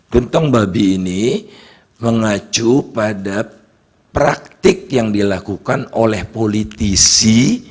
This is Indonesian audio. gentong babi ini mengacu pada praktik yang dilakukan oleh politisi